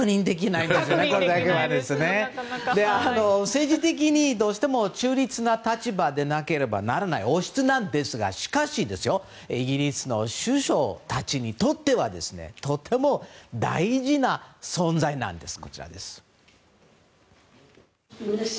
政治的にどうしても中立な立場でなければならない王室なんですがしかし、イギリスの首相たちにとってはとても大事な存在なんです。